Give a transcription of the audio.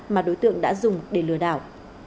mà đối tượng đã dùng để lừa đảo